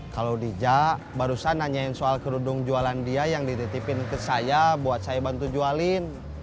kalau dijak barusan nanyain soal kerudung jualan dia yang dititipin ke saya buat saya bantu jualin